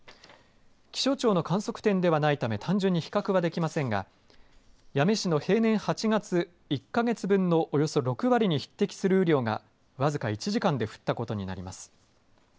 気象庁の観測点ではないため単純に比較はできませんが八女市の平年８月１か月分のおよそ６割に匹敵する雨量が僅か１時間で降ったことになります。